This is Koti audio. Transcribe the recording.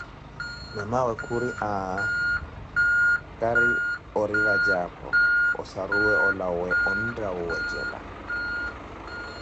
Mamawe khuri: aaah, kari ori vadje aphô ossaruwe olawe wa moone ontha wuwedja